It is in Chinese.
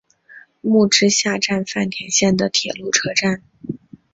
木之下站饭田线的铁路车站。